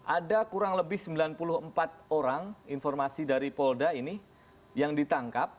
ada kurang lebih sembilan puluh empat orang informasi dari polda ini yang ditangkap